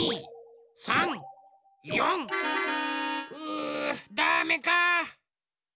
うダメか。